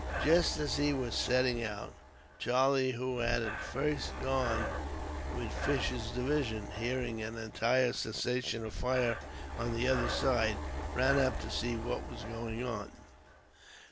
Just as he was setting out, Charlie, who had at first gone with Fisher's division, hearing an entire cessation of fire on the other side, ran up to see what was going on.